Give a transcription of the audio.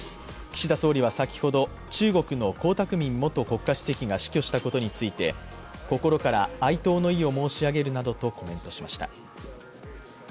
岸田総理は先ほど中国の江沢民元国家主席が死去したことについて心から哀悼の意を申し上げるなどとコメントしました。